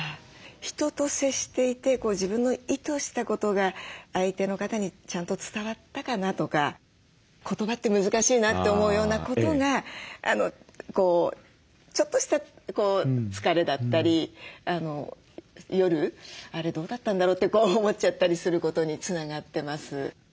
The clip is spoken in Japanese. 人と接していて自分の意図したことが相手の方にちゃんと伝わったかなとか言葉って難しいなって思うようなことがちょっとした疲れだったり夜あれどうだったんだろう？って思っちゃったりすることにつながってます。